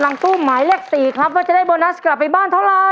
หลังตู้หมายเลข๔ครับว่าจะได้โบนัสกลับไปบ้านเท่าไร